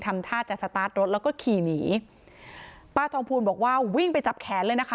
ทำท่าจะสตาร์ทรถแล้วก็ขี่หนีป้าทองภูลบอกว่าวิ่งไปจับแขนเลยนะคะ